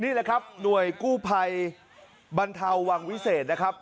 นี่แหละครับหน่วยกู้ภัยบรรเทาวังวิเศษนะครับ